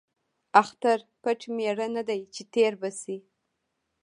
ـ اختر پټ ميړه نه دى ،چې تېر شي.